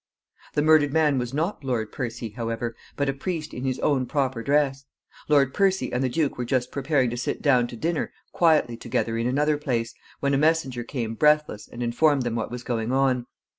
The murdered man was not Lord Percy, however, but a priest in his own proper dress. Lord Percy and the duke were just preparing to sit down to dinner quietly together in another place, when a messenger came breathless and informed them what was going on.